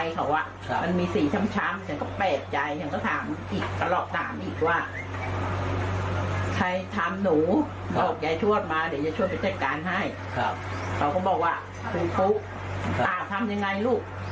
เค้าก็บอกว่าหูอ่ะทำยังไงลูก